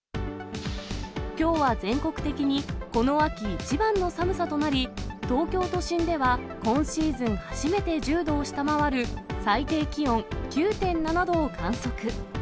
きょうは全国的に、この秋一番の寒さとなり、東京都心では今シーズン初めて１０度を下回る、最低気温９．７度を観測。